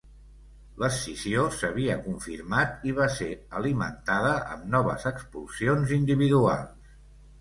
L'escissió s'havia confirmat i va ser alimentada amb noves expulsions individuals.